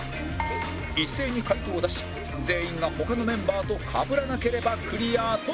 一斉に回答を出し全員が他のメンバーとかぶらなければクリアとなる